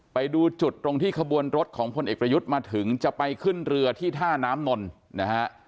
ไปดูจุดตรงที่ขบวนรถของพลเอกประยุทธ์มาถึงจะไปขึ้นเรือที่ท่าน้ำนนนะฮะ